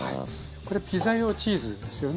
これピザ用チーズですよね。